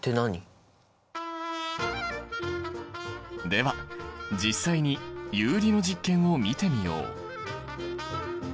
では実際に遊離の実験を見てみよう。